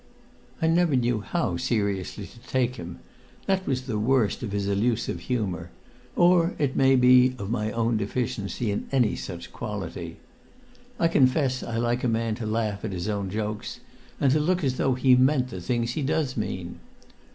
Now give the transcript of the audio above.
I never knew how seriously to take him; that was the worst of his elusive humour, or it may be of my own deficiency in any such quality. I confess I like a man to laugh at his own jokes, and to look as though he meant the things he does mean.